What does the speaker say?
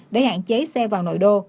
để hạn chế xe vào nội đô